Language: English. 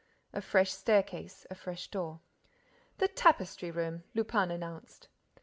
A fresh staircase. A fresh door. "The tapestry room," Lupin announced.